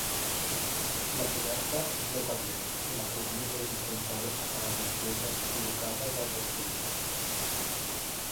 La coberta és de terrer i la cornisa horitzontal acabada amb pedres col·locades al rastell.